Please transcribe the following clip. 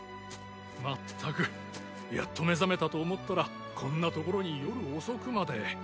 まったくやっと目覚めたと思ったらこんな所に夜遅くまで。